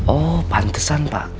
oh pantesan pak